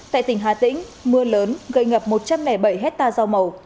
tại tỉnh hà tĩnh mưa lớn gây ngập một trăm linh bảy hectare rau màu